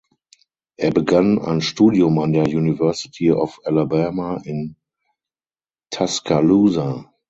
Er begann ein Studium an der University of Alabama in Tuscaloosa.